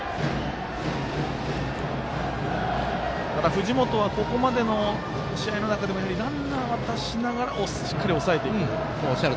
藤本はここまでの試合の中でもランナーは出しながらしっかり抑えていく。